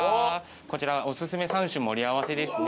こちらおすすめ三種盛り合わせですね。